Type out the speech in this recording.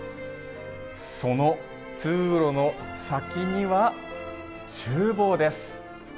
その通路の先にはちゅう房です。